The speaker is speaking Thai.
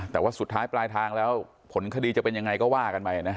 แต่ว่าสุดท้ายปลายทางแล้วผลคดีจะเป็นยังไงก็ว่ากันไปนะ